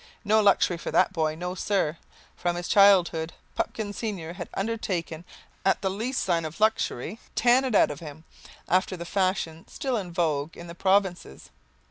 No luxury for that boy! No, sir! From his childhood, Pupkin senior had undertaken, at the least sign of luxury, to "tan it out of him," after the fashion still in vogue in the provinces.